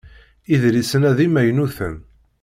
Idlisen-a d imaynuten.